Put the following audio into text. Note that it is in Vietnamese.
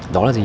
đó là gì